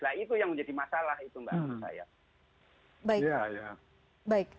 nah itu yang menjadi masalah itu mbak saya